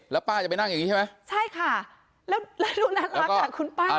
แล้วป้าจะไปนั่งอย่างนี้ใช่ไหมใช่ค่ะแล้วแล้วดูน่ารักอ่ะคุณป้า